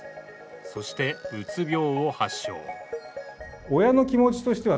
そしてうつ病を発症。